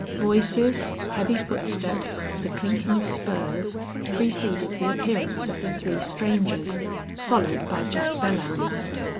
Voices, heavy footsteps, the clinking of spurs, preceded the appearance of the three strangers, followed by Jack Belllounds.